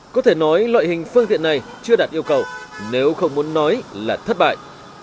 có thể nói loại hình phương tiện này chưa đạt yêu cầu nếu không muốn nói là thất bại